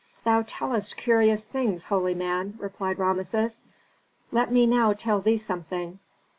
"Thou tellest curious things, holy man," replied Rameses; "let me now tell thee something.